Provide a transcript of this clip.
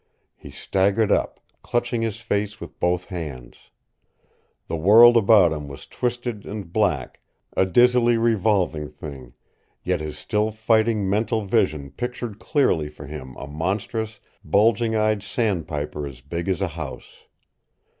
He staggered up, clutching his face with both hands. The world about him was twisted and black, a dizzily revolving thing yet his still fighting mental vision pictured clearly for him a monstrous, bulging eyed sandpiper as big as a house.